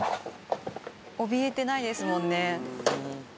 おびえてないですもんね。